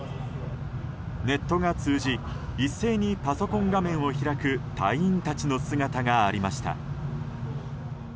ネットが通じ一斉にパソコン画面を開く隊員たちの姿がありました。